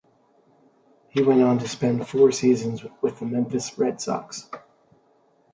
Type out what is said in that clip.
He went on to spend four seasons with the Memphis Red Sox.